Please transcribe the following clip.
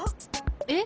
えっ？